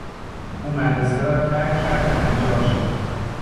او مدرسه را ترک کرد و نجار شد.